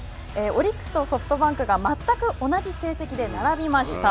オリックスとソフトバンクが全く同じ成績で並びました。